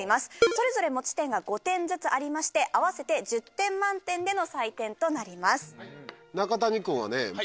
それぞれ持ち点が５点ずつありまして合わせて１０点満点での採点となります中谷君はね